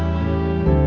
aku mau ke sana